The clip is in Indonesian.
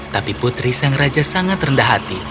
tapi putri sang raja sangat rendah hati